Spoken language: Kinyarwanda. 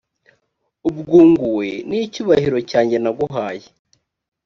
ubwunguwe n’icyubahiro cyanjye naguhaye